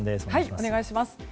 お願いします。